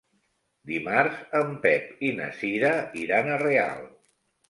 Dimarts en Pep i na Cira iran a Real.